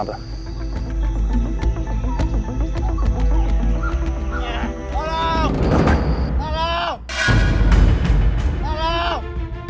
hanya ada aku